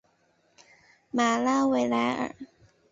马拉维莱尔。